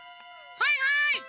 はいはい！